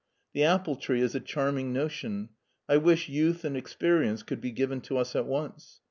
The apple tree is a diarming notion. I wish youth and experience could be given to us at once.